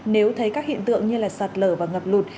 nếu thấy các hiện tượng như sạt lở và ngập lụt